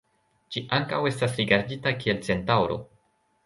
Ĝi ankaŭ estas rigardita kiel centaŭro.